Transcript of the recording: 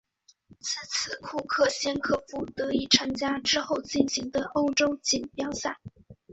至此库克先科夫得以参加之后进行的欧洲锦标赛。